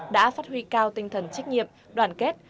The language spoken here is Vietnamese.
đã phát huy cao tinh thần trách nhiệm đoàn kết